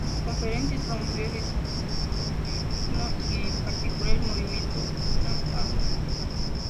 En sus conferencias, promovió el ecumenismo y en particular el movimiento "Una Sancta".